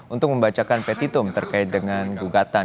untuk membacakan petitum terkait dengan gugatan